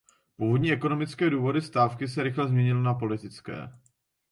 Původní ekonomické důvody stávky se rychle změnily na politické.